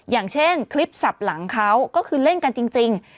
อย่างเช่นคลิปสับหลังเขาก็คือเล่นกันจริง